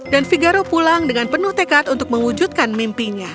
dan figaro pulang dengan penuh tekad untuk mewujudkan mimpinya